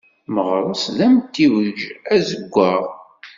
Meɣres d amtiweg azewwaɣ.